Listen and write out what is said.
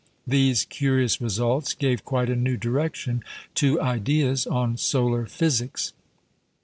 These curious results gave quite a new direction to ideas on solar physics.